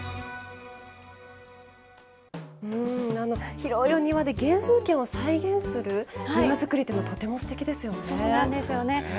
広いお庭で原風景を再現する庭造りというのがとてもすてきでそうなんですよね。